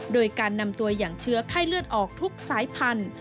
โดยการนำตัวอย่างเชื้อไข้เลือดออกทุกสายพันธุ์